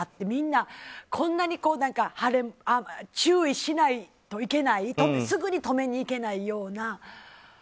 みんな、こんなに注意しないといけないすぐに止めにいけないような。